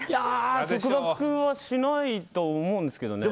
束縛はしないと思うんですけどね。